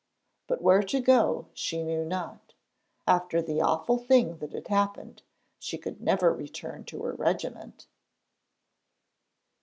But where to go she knew not. After the awful thing that had happened she could never return to her regiment.